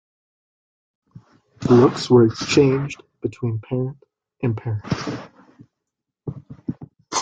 Looks were exchanged between parent and parent.